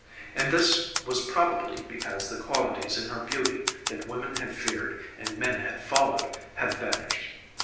And this was probably because the qualities in her beauty that women had feared and men had followed had vanished.